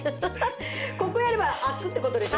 ここをやれば開くって事でしょ？